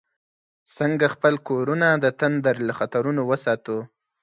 څنګه خپل کورونه د تندر له خطرونو وساتو؟